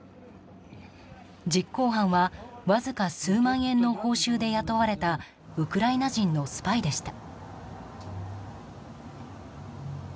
実行犯はわずか数万円の報酬で雇われたウクライナ人のスパイでした。